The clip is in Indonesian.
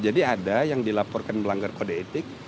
jadi ada yang dilaporkan melanggar kode etik